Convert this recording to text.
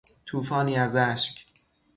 توفانی از اشک